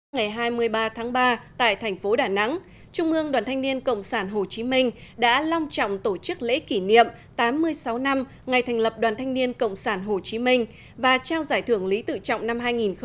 ngày hai mươi ba tháng ba tại thành phố đà nẵng trung ương đoàn thanh niên cộng sản hồ chí minh đã long trọng tổ chức lễ kỷ niệm tám mươi sáu năm ngày thành lập đoàn thanh niên cộng sản hồ chí minh và trao giải thưởng lý tự trọng năm hai nghìn một mươi chín